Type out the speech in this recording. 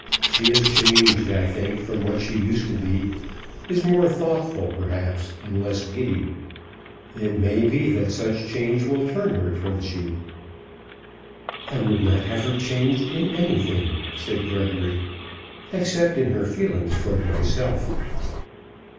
"She is changed, I think, from what she used to be, is more thoughtful, perhaps, and less giddy. It may be that such change will turn her towards you." "I would not have her changed in anything," said Gregory, "except in her feelings towards myself."